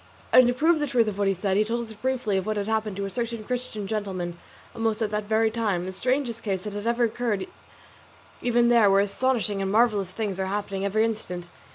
And to prove the truth of what he said, he told us briefly what had happened to a certain Christian gentleman almost at that very time, the strangest case that had ever occurred even there, where astonishing and marvellous things are happening every instant.